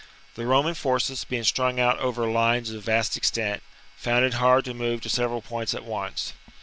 The Roman forces, being strung out over lines of vast extent, found it hard to move to several points at once.